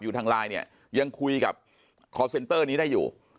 ทางไลน์เนี่ยยังคุยกับคอร์เซ็นเตอร์นี้ได้อยู่